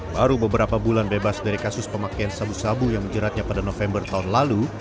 baru beberapa bulan bebas dari kasus pemakaian sabu sabu yang menjeratnya pada november tahun lalu